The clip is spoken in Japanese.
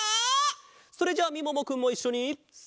それじゃあみももくんもいっしょにせの。